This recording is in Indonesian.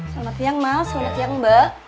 selamat siang mas selamat siang mbak